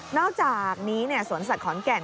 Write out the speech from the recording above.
นอกจากนี้เนี่ยสวนสัตว์ขอนแก่น